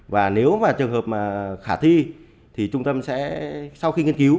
và nếu mà trường hợp mà khả thi thì trung tâm sẽ sau khi nghiên cứu